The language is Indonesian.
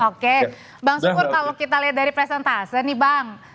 oke bang sukur kalau kita lihat dari presentase nih bang